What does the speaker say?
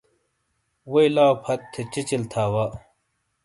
ووئی لاؤپھَت تھے چِیچل تھا وا۔